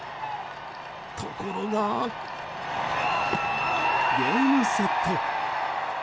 ところが、ゲームセット。